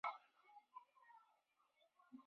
段氏出身于段部鲜卑家族。